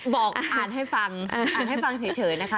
บอกอ่านให้ฟังอ่านให้ฟังเฉยนะคะ